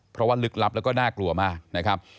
เพราะว่าลึกลับแล้วก็น่ากลัวมากนะครับ